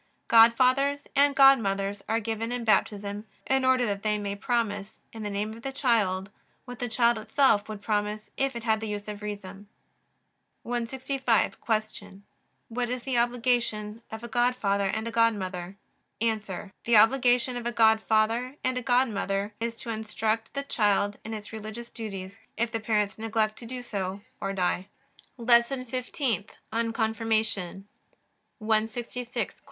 Godfathers and godmothers are given in Baptism in order that they may promise, in the name of the child, what the child itself would promise if it had the use of reason. 165. Q. What is the obligation of a godfather and a godmother? A. The obligation of a godfather and a godmother is to instruct the child in its religious duties, if the parents neglect to do so or die. LESSON FIFTEENTH ON CONFIRMATION 166. Q.